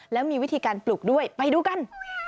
แล้วมีวิธีการปลูกด้วยไปดูกัน